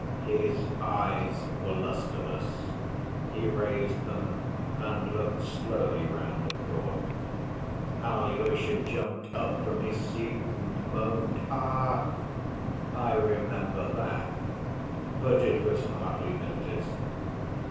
His eyes were lusterless; he raised them and looked slowly round the court. Alyosha jumped up from his seat and moaned "Ah!" I remember that, but it was hardly noticed.